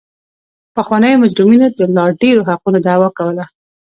پخوانیو مجرمینو د لا ډېرو حقونو دعوه کوله.